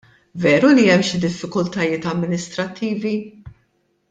Veru li hemm xi diffikultajiet amministrattivi?